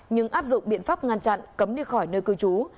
nhưng áp dụng biện pháp ngăn chặn cấm đi khỏi nơi cư trú